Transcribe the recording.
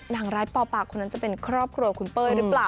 นางร้ายปอปากคนนั้นจะเป็นครอบครัวคุณเป้ยหรือเปล่า